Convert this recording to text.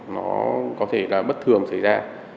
nó có thể là bất thường xảy ra